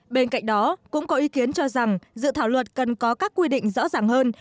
bên cạnh đó cũng có ý kiến cho rằng dự thảo luật cần có các quy định rõ ràng hơn